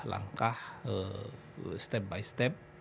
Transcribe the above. langkah step by step